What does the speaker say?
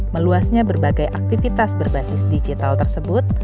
meluasnya berbagai aktivitas berbasis digital tersebut